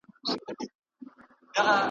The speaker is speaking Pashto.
زه نه خوشحال یم زه نه رحمان یم .